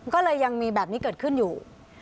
ก็เลยยังมีแบบนี้เกิดขึ้นอยู่